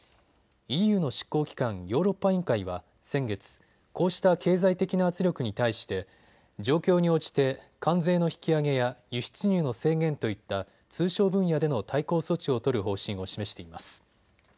ＥＵの執行機関、ヨーロッパ委員会は先月、こうした経済的な圧力に対して状況に応じて関税の引き上げや輸出入の制限といった通商分野での対抗措置を取る方針を示しています。